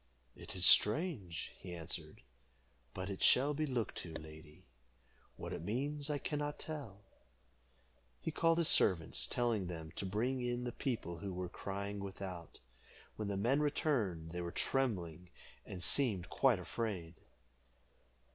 "It is strange," he answered, "but it shall be looked to, lady. What it means I can not tell." He called his servants, telling them to bring in the people who were crying without. When the men returned, they were trembling, and seemed quite afraid.